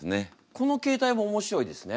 この形態も面白いですね。